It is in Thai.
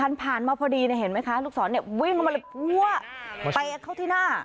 ทันผ่านมาพอดีนะเห็นไหมคะลูกสอนเนี่ยวิ่งมาเลยปั้ยเข้าที่หน้า